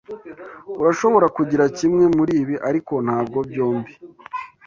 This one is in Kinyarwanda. Urashobora kugira kimwe muribi, ariko ntabwo byombi.